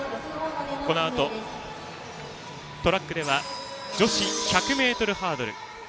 このあとトラックでは女子１００ｍハードル。